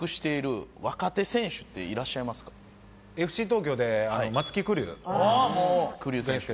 ＦＣ東京で松木玖生。